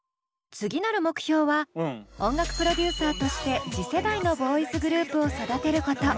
次なる目標は音楽プロデューサーとして次世代のボーイズグループを育てること。